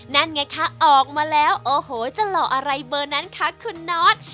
นั่นไงคะออกมาแล้วโอ้โหจะหล่ออะไรเบอร์นั้นคะคุณนอท